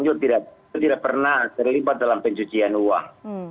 juga tidak pernah terlibat dalam pencucian uang